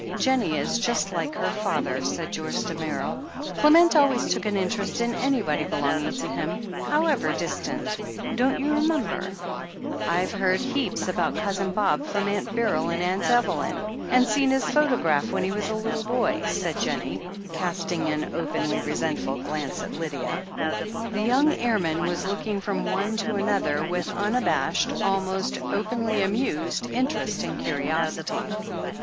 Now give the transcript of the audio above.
"Jennie is just like her father," said Joyce Damerel. "Clement always took an interest in anybody belonging to him, however distant, don't you remember ?" "iVe heard heaps about Cousin Bob from Aunt Beryl and Aunt Evelyn, and. seen his photograph when he was a little boy," said Jennie, casting an openly re sentful glance at Lydia. The young airman was looking from one to another with unabashed, almost openly amused interest and curiosity.